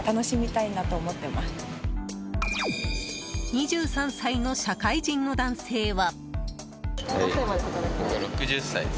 ２３歳の社会人の男性は。